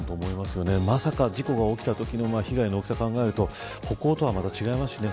まさか事故が起きたときの被害の大きさを考えるとこことは違いますしね。